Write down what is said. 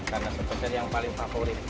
karena spesial yang paling favorit